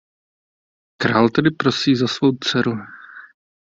Král tedy prosí za svou dceru.